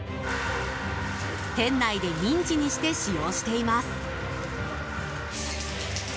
店内でミンチにして使用しています。